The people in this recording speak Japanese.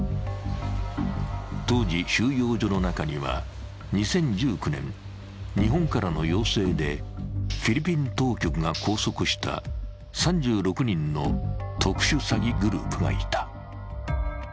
当時、収容所の中には２０１９年、日本からの要請でフィリピン当局が拘束した３６人の特殊詐欺グループがいた。